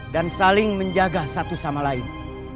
dan saling menjaga satu sama lain